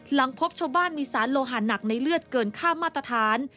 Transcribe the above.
หลังพบชาวบ้านมีสารโลหาหนักในเลือดเกินค่ามาตรฐาน